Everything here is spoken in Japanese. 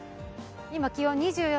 今、気温、２４．８度。